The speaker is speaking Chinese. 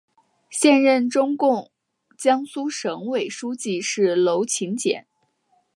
现任中共江苏省委书记是娄勤俭。